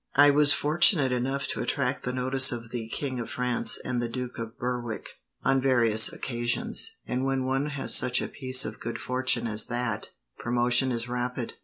"I was fortunate enough to attract the notice of the King of France, and the Duke of Berwick, on various occasions, and when one has such a piece of good fortune as that, promotion is rapid."